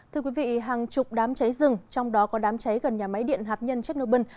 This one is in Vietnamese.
thưa quý vị hàng chục đám cháy rừng trong đó có đám cháy gần nhà máy điện hạt nhân chernobyl